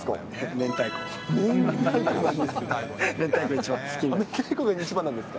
明太子なんですね。